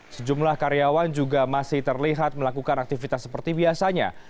sejumlah karyawan juga masih terlihat melakukan aktivitas seperti biasanya